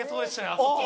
あそこは。